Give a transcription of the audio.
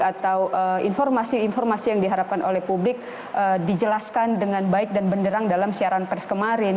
atau informasi informasi yang diharapkan oleh publik dijelaskan dengan baik dan benderang dalam siaran pers kemarin